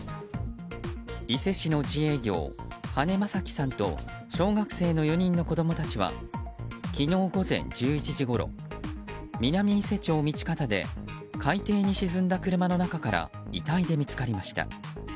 伊勢市の自営業羽根正樹さんと小学生の４人の子供たちは昨日午前１１時ごろ南伊勢町道方で海底に沈んだ車の中から遺体で見つかりました。